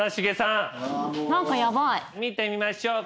見てみましょう。